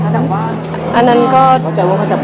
แต่คำถามคือแบบแปลกอะไรไหมคะ